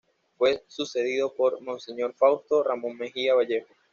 Fue sucedido por Monseñor Fausto Ramón Mejía Vallejo.